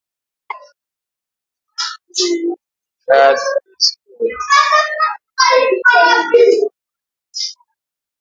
Empire never backstamped any of their ware.